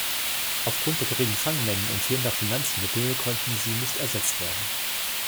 Aufgrund der geringen Fangmengen und fehlender Finanzmittel konnten sie nicht ersetzt werden.